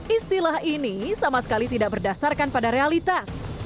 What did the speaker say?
istilah ini sama sekali tidak berdasarkan pada realitas